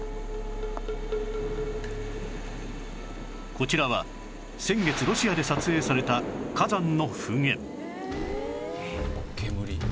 こちらは先月ロシアで撮影された火山の噴煙煙。